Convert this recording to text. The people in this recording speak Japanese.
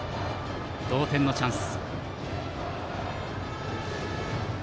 同点のチャンス。